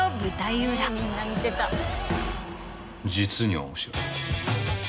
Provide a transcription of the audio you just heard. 実に面白い。